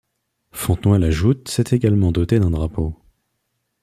Fontenoy-la-Joûte s'est également doté d'un drapeau.